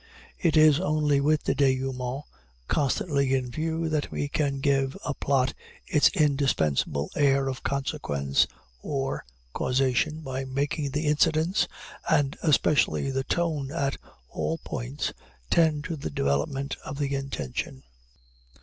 It is only with the dénouement constantly in view that we can give a plot its indispensable air of consequence, or causation, by making the incidents, and especially the tone at all points, tend to the development of the intention.